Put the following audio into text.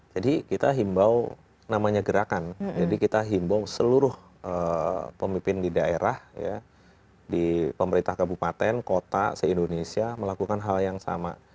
jadi kita himbau namanya gerakan jadi kita himbau seluruh pemimpin di daerah di pemerintah kabupaten kota se indonesia melakukan hal yang sama